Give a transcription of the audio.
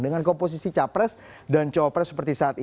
dengan komposisi capres dan cowopres seperti saat ini